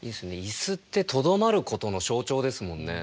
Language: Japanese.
椅子ってとどまることの象徴ですもんね。